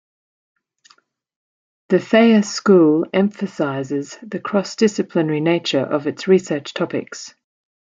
The Thayer School emphasizes the cross-disciplinary nature of its research topics.